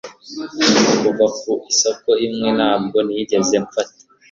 Kuva ku isoko imwe ntabwo nigeze mfata